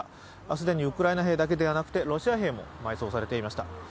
既にウクライナ兵だけではなくてロシア兵も埋葬されていました。